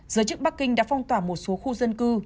giới chức bắc kinh đã phong tỏa một số khu dân cư